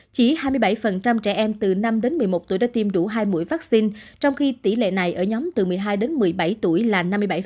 chỉ hai mươi bảy trẻ em từ năm đến một mươi một tuổi đã tiêm đủ hai mũi vaccine trong khi tỷ lệ này ở nhóm từ một mươi hai đến một mươi bảy tuổi là năm mươi bảy